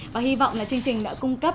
và hy vọng là chương trình đã cung cấp